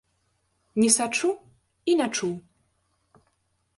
Не сачу і не чуў.